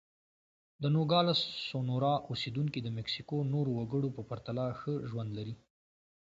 د نوګالس سونورا اوسېدونکي د مکسیکو نورو وګړو په پرتله ښه ژوند لري.